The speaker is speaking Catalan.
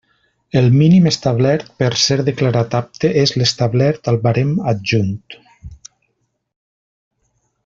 El mínim establert per ser declarat apte és l'establert al barem adjunt.